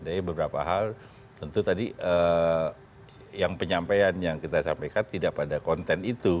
jadi beberapa hal tentu tadi yang penyampaian yang kita sampaikan tidak pada konten